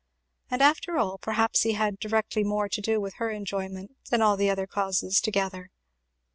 And after all perhaps he had directly more to do with her enjoyment than all other causes together.